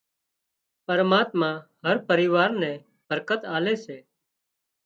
پرماتما هر پريوار نين برڪت آلي سي